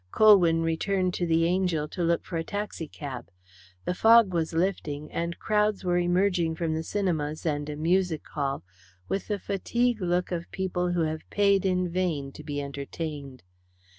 Colwyn returned to the Angel to look for a taxi cab. The fog was lifting, and crowds were emerging from the cinemas and a music hall with the fatigued look of people who have paid in vain to be entertained.